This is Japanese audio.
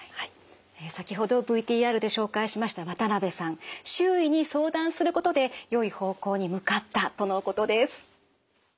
先ほどＶＴＲで紹介しました渡辺さん周囲に相談することでよい方向に向かったとのことです。